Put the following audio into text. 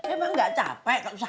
emang gak capek sakit terus terusan